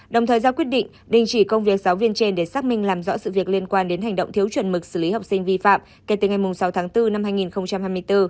đồng thời ra quyết định đình chỉ công việc giáo viên trên để xác minh làm rõ sự việc liên quan đến hành động thiếu chuẩn mực xử lý học sinh vi phạm kể từ ngày sáu tháng bốn năm hai nghìn hai mươi bốn